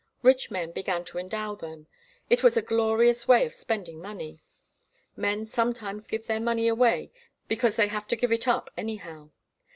Rich men began to endow them. It was a glorious way of spending money. Men sometimes give their money away because they have to give it up anyhow.